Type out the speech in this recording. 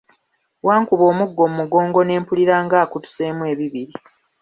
Wankuba omuggo mugongo ne mpulira nga akutuseemu ebibiri.